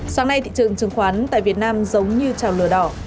sáng nay thị trường chứng khoán tại việt nam giống như trào lửa đỏ